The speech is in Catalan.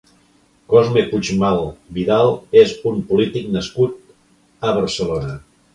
Cosme Puigmal Vidal és un polític nascut a Barcelona.